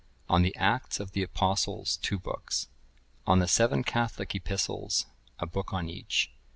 On the Acts of the Apostles, two books. On the seven Catholic Epistles, a book on each.